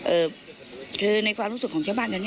เออเอาไปสักพักนึงเขาก็